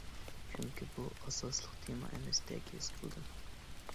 چۈنكى بۇ ئاساسلىق تېما ئەمەستەك ھېس قىلدىم.